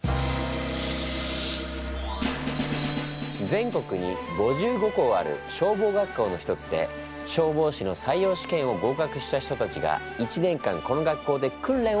全国に５５校ある消防学校の一つで消防士の採用試験を合格した人たちが１年間この学校で訓練を受けるの。